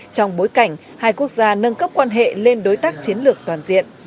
trong bối cảnh hai quốc gia nâng cấp quan hệ lên đối tác chiến lược toàn diện